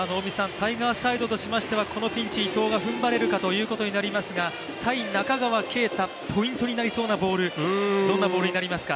タイガースサイドとしましてはこのピンチ伊藤が踏ん張れるかというところですが対中川圭太、ポイントになりそうなボール、どんなボールになりますか。